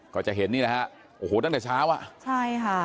ก็จะเห็นนี่นะฮะโอ้โหตั้งแต่เช้าอ่ะใช่ค่ะ